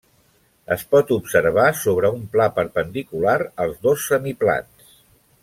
Es pot observar sobre un pla perpendicular als dos semiplans.